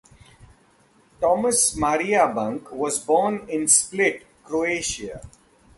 Tomas Maria Bunk was born in Split, Croatia.